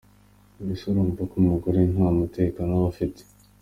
Mbese urumva ko umugore nta mutekano aba afite.